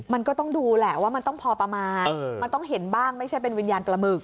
มันก็ต้องดูแหละว่ามันต้องพอประมาณมันต้องเห็นบ้างไม่ใช่เป็นวิญญาณปลาหมึก